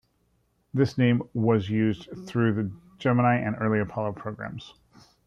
This name was used through the Gemini and early Apollo programs.